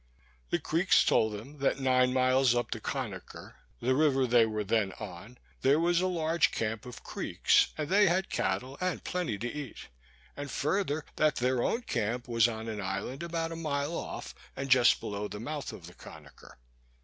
The Creeks told them that nine miles up the Conaker, the river they were then on, there was a large camp of Creeks, and they had cattle and plenty to eat; and further, that their own camp was on an island about a mile off, and just below the mouth of the Conaker.